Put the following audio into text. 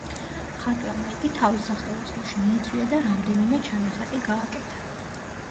მხატვარმა იგი თავის სახელოსნოში მიიწვია და რამდენიმე ჩანახატი გააკეთა.